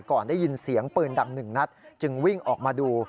ก่อนได้ยินเสียงปืนดังหนึ่งนัดจึงวิ่งออกมาดู